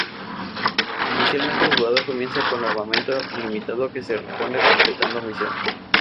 Inicialmente, el jugador comienza con armamento limitado que se repone completando misiones.